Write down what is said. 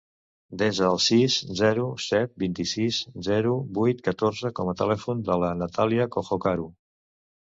Desa el sis, zero, set, vint-i-sis, zero, vuit, catorze com a telèfon de la Natàlia Cojocaru.